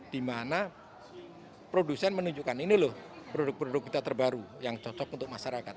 dimana produsen menunjukkan ini loh produk produk kita terbaru yang cocok untuk masyarakat